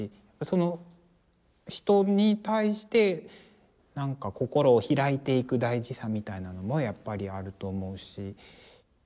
その「人」に対してなんか心をひらいていく大事さみたいなのもやっぱりあると思うし。